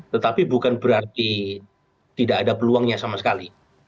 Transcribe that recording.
tetapi bukan berarti tidak ada peluangnya sama sekali